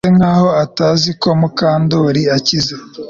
Trix yigize nkaho atazi ko Mukandoli akize